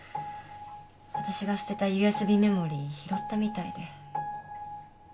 私が捨てたＵＳＢメモリー拾ったみたいで。